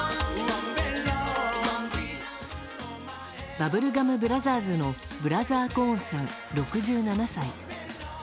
バブルガム・ブラザーズのブラザー・コーンさん、６７歳。